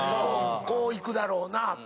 こういくだろうな。